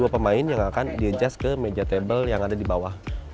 dua puluh dua pemain yang akan diadjaskan ke meja table yang ada di bawah